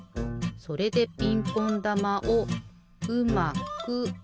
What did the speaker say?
それでピンポンだまをうまくつかむと。